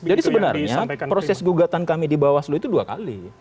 jadi sebenarnya proses gugatan kami di bawaslu itu dua kali